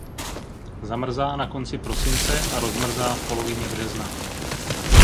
Zamrzá na konci prosince a rozmrzá v polovině března.